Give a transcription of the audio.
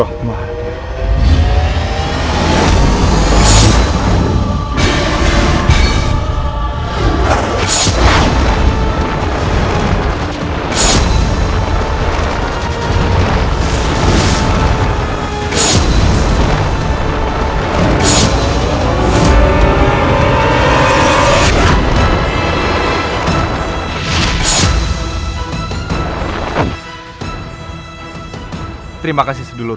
jangan sampai dia tercampur